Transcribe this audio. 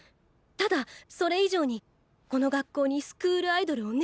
ただそれ以上にこの学校にスクールアイドルを根づかせたい。